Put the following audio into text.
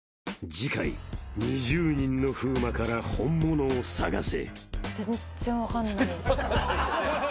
［次回２０人の風磨から本物を探せ！］